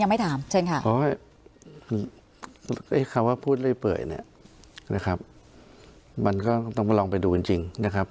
มันก็ต้องมาลองไปดูจริงนะครับ